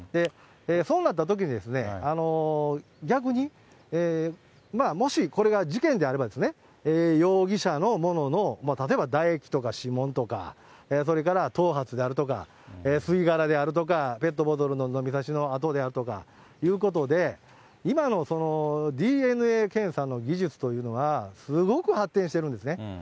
そうなったときに、逆に、もしこれが事件であればですね、容疑者のものの例えば唾液とか指紋とか、それから頭髪であるとか、吸い殻であるとか、ペットボトルの飲みさしの跡であるとかいうことで、今のＤＮＡ検査の技術というのは、すごく発展してるんですね。